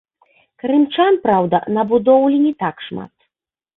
Крымчан, праўда, на будоўлі не так шмат.